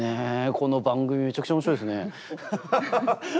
この番組めちゃくちゃ面白いですね。